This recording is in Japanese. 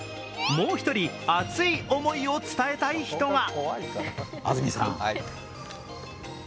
もう１人、熱い思いを伝えたい人が。